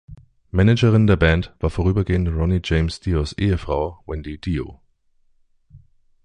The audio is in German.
Managerin der Band war vorübergehend Ronnie James Dios Ehefrau Wendy Dio.